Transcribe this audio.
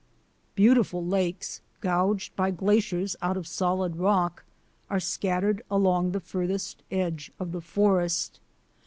Beautiful lakes, gouged by glaciers out of solid rock, are scattered along the farthest edge of the forest.